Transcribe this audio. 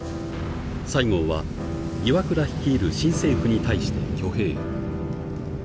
西郷は岩倉率いる新政府に対して挙兵。